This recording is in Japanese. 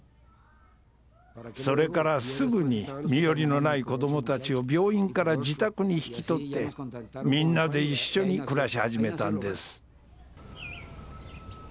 それからすぐに身寄りのない子どもたちを病院から自宅に引き取ってみんなで一緒に暮らし始めたんです。